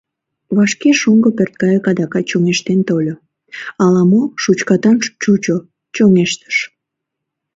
Вашке шоҥго пӧрткайык адакат чоҥештен тольо. Ала-мо шучкатан чучо, чоҥештыш